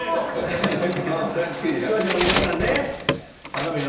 視聴者の皆さんね頼むよ。